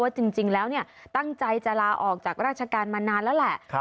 จริงแล้วตั้งใจจะลาออกจากราชการมานานแล้วแหละ